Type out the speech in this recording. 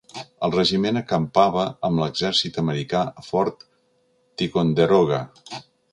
El regiment acampava amb l'exèrcit americà a Fort Ticonderoga.